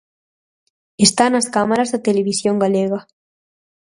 Está nas cámaras da televisión galega.